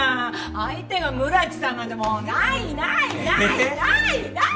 相手が村木さんなんてもうないないないないない！